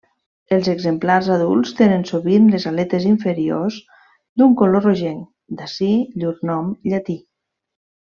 Els exemplars adults tenen sovint les aletes inferiors d'un color rogenc, d'ací llur nom llatí.